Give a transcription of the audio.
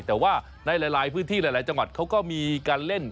แต่ว่าในหลายพื้นที่หลายจังหวัดเขาก็มีการเล่น